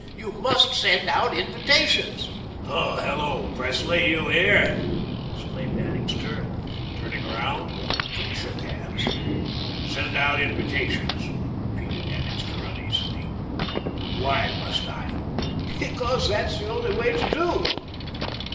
You MUST send out invitations." "Hello, Presley, you there?" exclaimed Annixter, turning round. The two shook hands. "Send out invitations?" repeated Annixter uneasily. "Why must I?" "Because that's the only way to do."